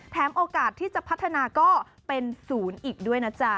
โอกาสที่จะพัฒนาก็เป็นศูนย์อีกด้วยนะจ๊ะ